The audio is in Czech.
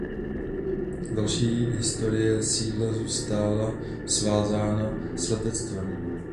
Další historie sídla zůstala svázána s letectvem.